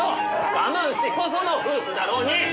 我慢してこその夫婦だろうに！